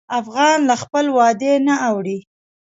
افغان له خپل وعدې نه اوړي.